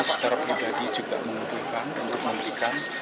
secara pribadi juga mengutukkan untuk memberikan